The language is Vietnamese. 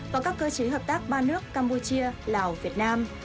và các cơ chế hợp tác ba nước campuchia lào việt nam